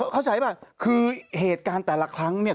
เข้าใจป่ะคือเหตุการณ์แต่ละครั้งเนี่ย